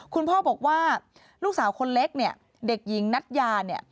คุณพ่อบอกว่าลูกสาวคนเล็กเด็กยิงนัดยา